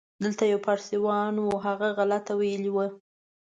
دلته یو پاړسیوان و، هغه غلطه ویلې وه.